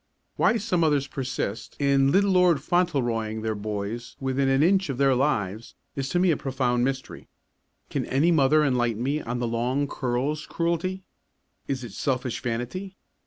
Why some mothers persist in Little Lord Fauntleroy ing their boys within an inch of their lives is to me a profound mystery. Can any mother enlighten me on the long curls cruelty? Is it selfish vanity?